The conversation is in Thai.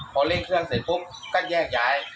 พอเร่งเครื่องเสร็จปุ๊บก็แยกย้าย